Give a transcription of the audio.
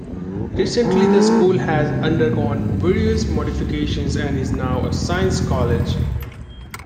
Recently the school has undergone various modifications, and is now a Science College.